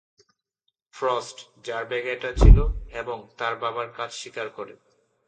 Frost, যার ব্যাগে এটা ছিল, এবং তার বাবার কাজ স্বীকার করে।